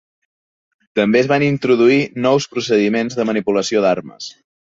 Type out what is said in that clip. També es van introduir nous procediments de manipulació d'armes.